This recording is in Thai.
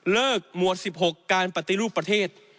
หมวด๑๖การปฏิรูปประเทศ